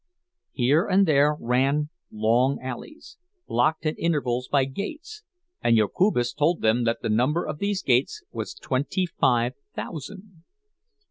Here and there ran long alleys, blocked at intervals by gates; and Jokubas told them that the number of these gates was twenty five thousand.